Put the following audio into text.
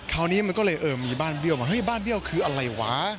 คราวนี้มันก็เลยเออมีบ้านเบี้ยวมาเฮ้บ้านเบี้ยวคืออะไรวะ